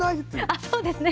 あっそうですね。